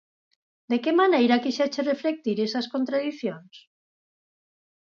De que maneira quixeches reflectir esas contradicións?